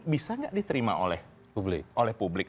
bisa nggak diterima oleh publik